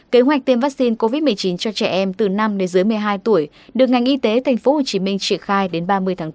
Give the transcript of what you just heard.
kế hoạch tiêm vaccine covid một mươi chín cho trẻ em từ năm đến dưới một mươi hai tuổi được ngành y tế tp hcm triển khai đến ba mươi tháng bốn